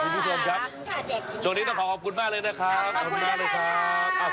วันนี้ต้องขอขอบคุณมากเลยนะครับขอบคุณมากเลยครับ